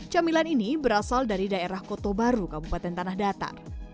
camilan ini berasal dari daerah kota baru kabupaten tanah datar